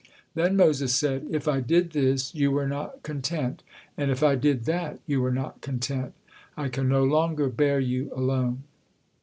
Then Moses said: "If I did this you were not content, and if I did that you were not content! I can no longer bear you alone.